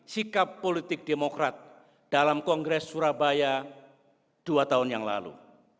sikap politik demokrat dalam kongres surabaya dua tahun yang lalu